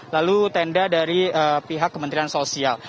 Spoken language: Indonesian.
lalu tenda dari pihak kementerian sosial